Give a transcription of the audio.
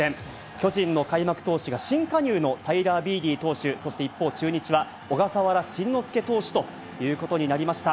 巨人の開幕投手が新加入のタイラー・ビーディ投手、そして一方、中日は小笠原慎之介投手ということになりました。